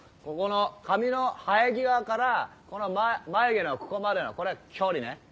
ここの髪の生え際からこの眉毛のここまでのこれ距離ね